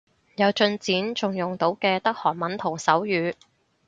有進展仲用到嘅得韓文同手語